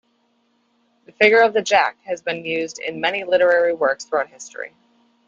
The figure of the jack has been used in many literary works throughout history.